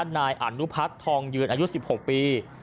นายอนุพัฒน์ทองยืนอายุ๑๖ปี